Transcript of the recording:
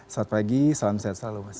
selamat pagi salam sehat selalu mas